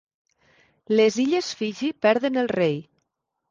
Les Illes Fiji perden el rei.